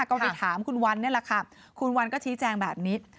ก็ไปถามคุณวันนี่แหละค่ะคุณวันก็ชี้แจงแบบนี้